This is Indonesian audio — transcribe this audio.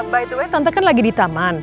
by the way tante kan lagi di taman